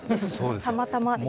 たまたまです。